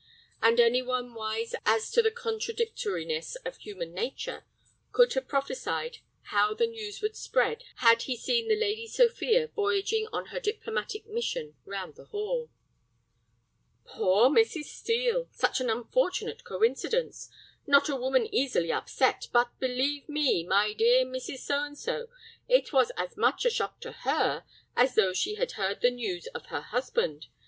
And any one wise as to the contradictoriness of human nature could have prophesied how the news would spread had he seen the Lady Sophia voyaging on her diplomatic mission round the hall. "Poor Mrs. Steel! Such an unfortunate coincidence! Not a woman easily upset, but, believe me, my dear Mrs. So and So, it was as much a shock to her as though she had heard bad news of her husband.